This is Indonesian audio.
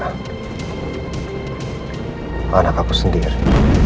anak aku sendiri